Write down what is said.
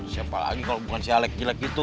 siapa lagi kalau bukan si alec jelek itu